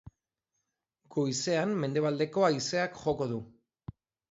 Goizean mendebaldeko haizeak joko du.